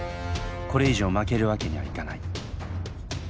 これ以上負けるわけにはいかない。